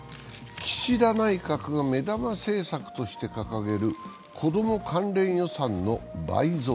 岸田内閣が目玉政策として掲げるこども関連予算の倍増。